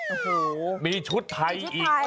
โอ้โหมีชุดไทยอีก